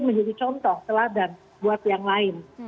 menjadi contoh teladan buat yang lain